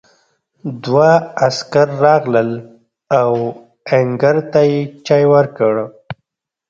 دوه عسکر راغلل او آهنګر ته یې چای ورکړ.